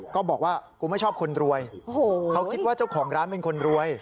ก็บอกว่ากูไม่ชอบคนรวยเขาคิดว่าเจ้าของร้านเป็นคนรวย